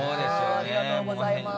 ありがとうございます。